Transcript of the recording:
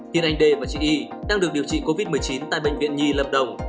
tiên anh đê và chị y đang được điều trị covid một mươi chín tại bệnh viện nhi lâm đồng